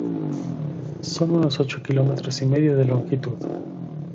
Son unos ocho kilómetros y medio de longitud.